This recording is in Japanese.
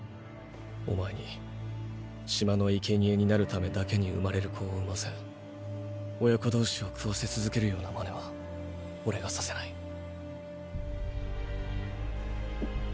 お前に島の生贄になるためだけに生まれる子を産ませ親子同士を食わせ続けるようなマネはオレがさせない。